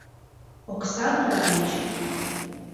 Оксам нальыч.